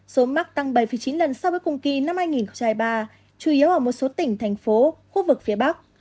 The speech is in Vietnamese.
số mắc tăng bảy chín lần so với cùng kỳ năm hai nghìn hai mươi ba chủ yếu ở một số tỉnh thành phố khu vực phía bắc